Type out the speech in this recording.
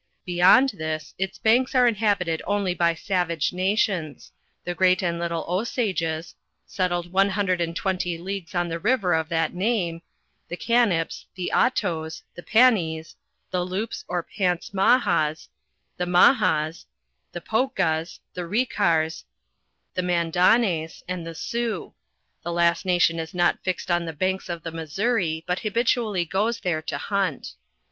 be yond this its banks are inhabited only by savage nations the Great and little Usages, settled one hundred and twenty league* on the xiver of that iiwuej luu Camp*, the Otto*, tb* I LEWIS AND CLARKE. 1 7 Panis, the loups or Pants Mahas, the Mahas, the Poukas, the Hicars, the Mandanes, and the Sioux; the last nation is not fixed on the banks of the Missouri, but habitually goes there to hunt.